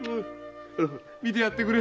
見てやってくれ。